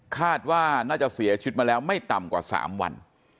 คาดว่าน่าจะเสียชีวิตมาแล้วไม่ต่ำกว่า๓วัน